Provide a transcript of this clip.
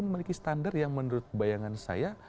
memiliki standar yang menurut bayangan saya